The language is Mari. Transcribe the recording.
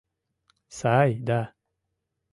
— Сай да...